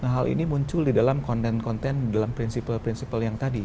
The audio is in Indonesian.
hal ini muncul di dalam konten konten dalam prinsipal prinsipal yang tadi